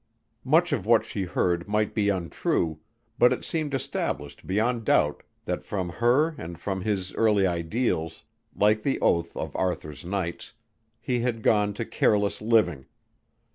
Much of what she heard might be untrue, but it seemed established beyond doubt that from her and from his early ideals like the oath of Arthur's knights he had gone to careless living.